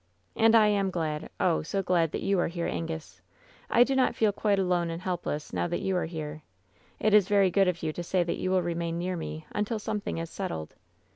And I am glad— oh ! so glad that you are here, Angus ! I do not feel quite alone and helpless now that you are here. It is very good of you to say that you will remain near me until something is settled.